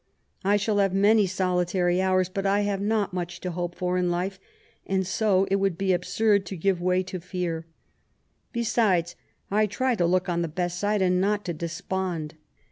I shall have many solitary hours, but I have not much to hope for in life, and so it would be absurd to give way to fear Besides, I try to look on the best side, and not to despond.